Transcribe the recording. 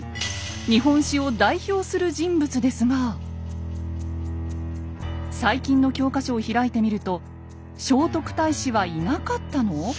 日本史を代表する人物ですが最近の教科書を開いてみると「聖徳太子はいなかったの？」。